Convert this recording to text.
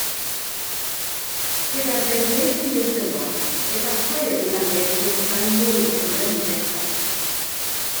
Gyda defnydd hirdymor efallai y bydd angen dosau mwy am yr un effaith.